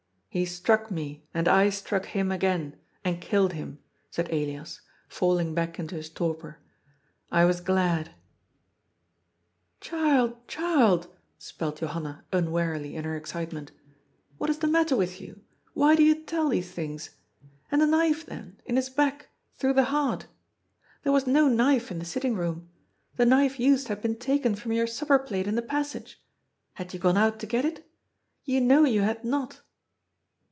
"He struck me, and I struck him again, and killed him," said Elias, falling back into his torpor. "I was glad." " Child, child," spelled Johanna unwarily in her excite ment. " What is the matter with you ? Why do you tell these things ? And the knife then, in his back, through the heart? There was no knife in the sitting room. The knife used had been taken from your supper plate in the passage. Had you gone out to get it? You know you had not."